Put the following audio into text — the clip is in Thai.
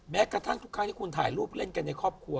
แม้กระทั่งทุกครั้งที่คุณถ่ายรูปเล่นกันในครอบครัว